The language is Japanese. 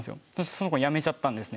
その子やめちゃったんですね。